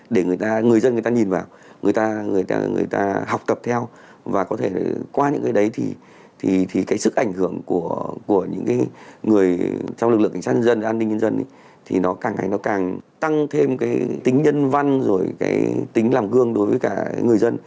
để người dân người ta nhìn vào người ta người ta học tập theo và có thể qua những cái đấy thì cái sức ảnh hưởng của những cái người trong lực lượng cảnh sát nhân dân an ninh nhân dân thì nó càng ngày nó càng tăng thêm cái tính nhân văn rồi cái tính làm gương đối với cả người dân